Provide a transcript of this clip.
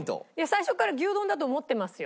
最初から牛丼だと思ってますよ。